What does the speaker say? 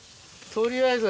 取りあえず。